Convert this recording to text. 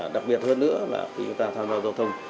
đặc biệt hơn nữa là khi chúng ta tham gia giao thông